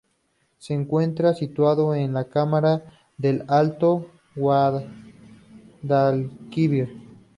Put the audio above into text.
Se encuentra situado en la comarca del Alto Guadalquivir.